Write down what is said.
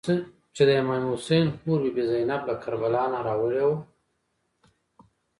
چې د امام حسین خور بي بي زینب له کربلا نه راوړې وه.